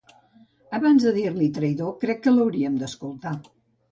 Abans de dir-li traïdor, crec que l'hauríem d'escoltar.